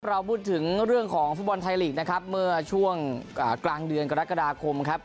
เราพูดถึงเรื่องของฟุตบอลไทยลีกนะครับเมื่อช่วงกลางเดือนกรกฎาคมครับ